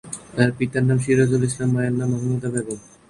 তার পিতার নাম সিরাজুল ইসলাম, মায়ের নাম মাহমুদা বেগম।